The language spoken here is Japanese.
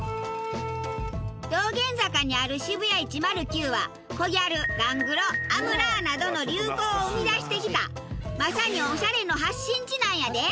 道玄坂にあるＳＨＩＢＵＹＡ１０９はコギャルガングロアムラーなどの流行を生み出してきたまさにオシャレの発信地なんやで！